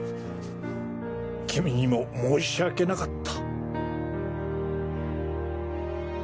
キミにも申し訳なかった。